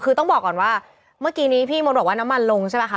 คือต้องบอกก่อนว่าเมื่อกี้นี้พี่มดบอกว่าน้ำมันลงใช่ไหมคะ